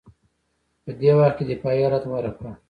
په دې وخت کې دفاعي حالت غوره کړ